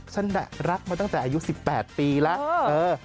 ฉันแหละรักมาตั้งแต่อายุ๑๘ปีแล้ว